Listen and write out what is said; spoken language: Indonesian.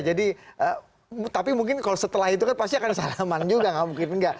jadi tapi mungkin kalau setelah itu kan pasti akan disalaman juga nggak mungkin nggak